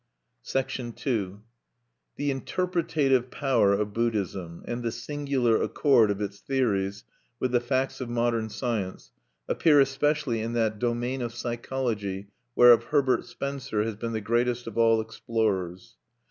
II The interpretative power of Buddhism, and the singular accord of its theories with the facts of modern science, appear especially in that domain of psychology whereof Herbert Spencer has been the greatest of all explorers.